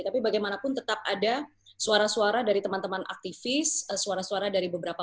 tapi bagaimanapun tetap ada suara suara dari teman teman aktivis suara suara dari beberapa